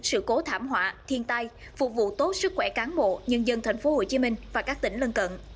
sự cố thảm họa thiên tai phục vụ tốt sức khỏe cán bộ nhân dân tp hcm và các tỉnh lân cận